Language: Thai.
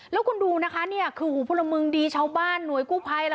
แล้วคุณดูนะคะนี่คือหูพลเมืองดีชาวบ้านหน่วยกู้ภัย